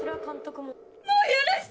もう許して！